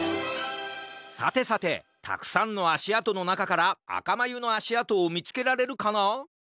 さてさてたくさんのあしあとのなかからあかまゆのあしあとをみつけられるかな？